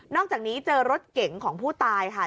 อกจากนี้เจอรถเก๋งของผู้ตายค่ะ